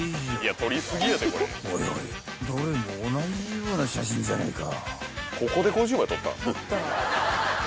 ［おいおいどれも同じような写真じゃねえか］